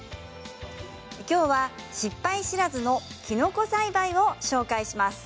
今日は失敗知らずのキノコ栽培を紹介します。